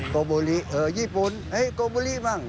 กโบริเออญี่ปุ่นเฮ้ยกโบริมั้ง